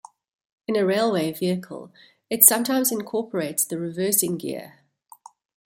In a railway vehicle, it sometimes incorporates the reversing gear.